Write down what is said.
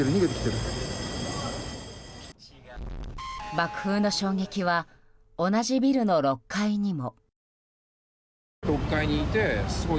爆風の衝撃は同じビルの６階にも。